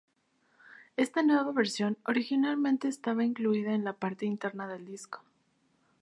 Ésta nueva versión, originalmente estaba incluida en la parte interna del disco.